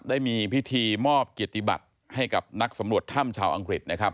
ได้มีพิธีมอบเกียรติบัติให้กับนักสำรวจถ้ำชาวอังกฤษนะครับ